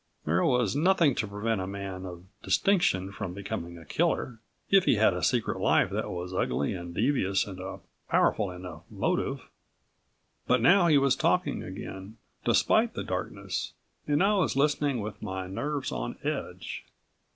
There was nothing to prevent a man of distinction from becoming a killer, if he had a secret life that was ugly and devious and a powerful enough motive. But now he was talking again, despite the darkness, and I was listening with my nerves on edge.